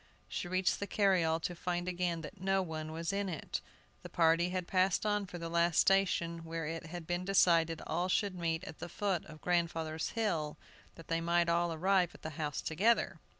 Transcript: She reached the carryall to find again that no one was in it. The party had passed on for the last station, where it had been decided all should meet at the foot of grandfather's hill, that they might all arrive at the house together.